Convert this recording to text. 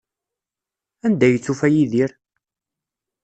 Anda ay tufa Yidir?